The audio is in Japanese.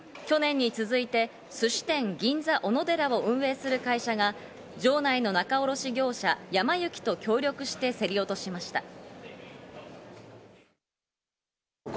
去年に続いてすし店・銀座おのでらを運営する会社が場内の仲卸業者、やま幸と協力して競り落としました。